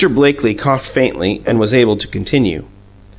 Blakely coughed faintly and was able to continue.